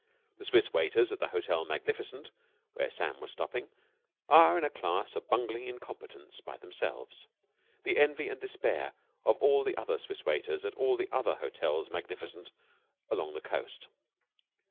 The Swiss waiters at the Hotel Magnificent, where Sam was stopping, are in a class of bungling incompetence by themselves, the envy and despair of all the other Swiss waiters at all the other Hotels Magnificent along the coast.